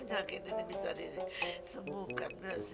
penyakit ini bisa disembuhkan gak sih